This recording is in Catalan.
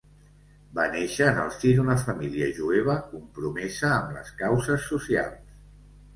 Va néixer en el si d'una família jueva compromesa amb les causes socials.